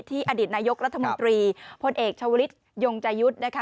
ที่อดิษฐ์นายกรัฐมนตรีพลเอกชาวฤิษฐ์ยงใจยุทธ์นะคะ